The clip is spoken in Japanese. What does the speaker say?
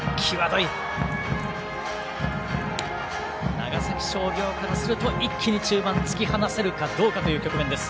長崎商業からすると一気に中盤突き放せるかどうかという局面です。